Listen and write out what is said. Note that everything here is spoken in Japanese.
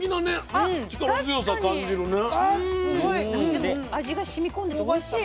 でも味がしみ込んでておいしい。